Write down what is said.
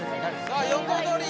さあ横取り